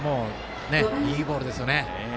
いいボールでしたね。